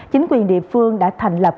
chính quyền địa phương đã thành lập